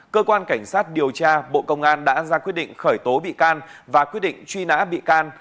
cơ quan cảnh sát điều tra bộ công an đã ra quyết định khởi tố bị can và quyết định truy nã bị can